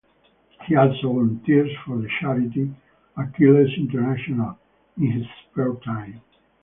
He also volunteers for the charity Achilles International in his spare time.